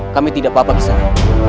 kami tidak apa apa gusti